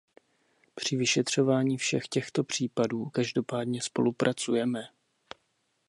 Při vyšetřování všech těchto případů každopádně spolupracujeme.